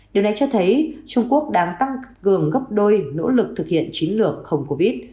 điều này cho thấy trung quốc đang tăng cường gấp đôi nỗ lực thực hiện chiến lược không covid